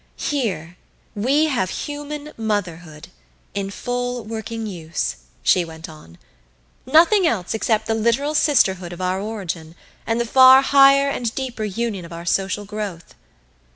"Here we have Human Motherhood in full working use," she went on. "Nothing else except the literal sisterhood of our origin, and the far higher and deeper union of our social growth.